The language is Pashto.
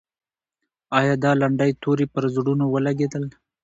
آیا د لنډۍ توري پر زړونو ولګېدل؟